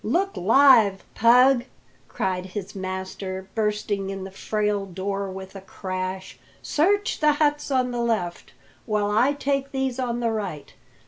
"Look alive, Pug!" cried his master, bursting in the frail door with a crash. "Search the huts on the left, while I take these on the right.